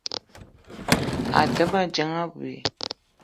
A te ma dzeng abui.